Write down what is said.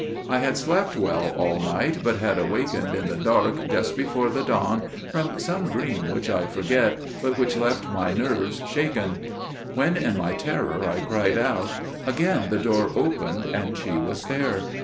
"I had slept well all night, but had awakened in the dark just before the dawn from some dream which I forget, but which left my nerves shaken. When in my terror I cried out, again the door opened, and she was there.